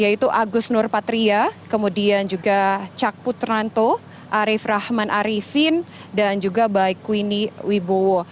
yaitu agus nurpatria kemudian juga cak putranto arief rahman arifin dan juga baikwini wibowo